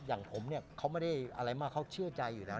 อย่างผมเนี่ยเขาไม่ได้อะไรมากเขาเชื่อใจอยู่แล้ว